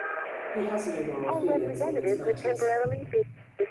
He has no moral feelings on these matters.